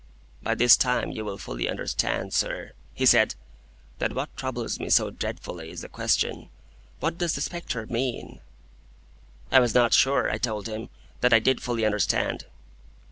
"By this time you will fully understand, sir," he said, "that what troubles me so dreadfully is the question, What does the spectre mean?" I was not sure, I told him, that I did fully understand.